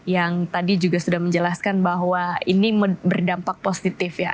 yang tadi juga sudah menjelaskan bahwa ini berdampak positif ya